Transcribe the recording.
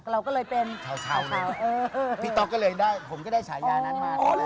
เราก็เลยเป็นแถวพี่ต๊อกก็เลยได้ผมก็ได้ฉายานั้นมา